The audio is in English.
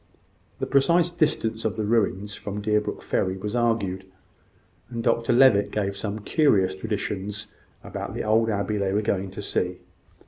The precise distance of the ruins from Deerbrook ferry was argued, and Dr Levitt gave some curious traditions about the old abbey they were going to see.